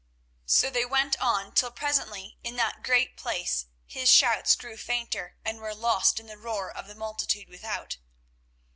So they went on, till presently in that great place his shouts grew fainter, and were lost in the roar of the multitude without.